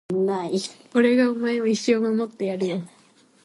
俺がお前を一生守ってやるよ